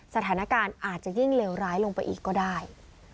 สถานการณ์อาจจะยิ่งเลวร้ายลงไปอีกก็ได้